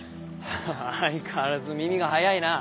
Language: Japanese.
相変わらず耳が早いな。